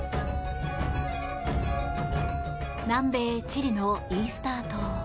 南米チリのイースター島。